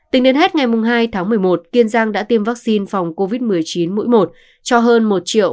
tính đến hết ngày hai tháng một mươi một kiên giang đã tiêm vaccine phòng covid một mươi chín mũi một cho hơn một sáu mươi sáu